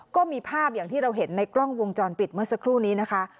ก็มีภาพอย่างที่เราเห็นในกล้องวงจรปิดเมื่อสักครู่นี้นะคะ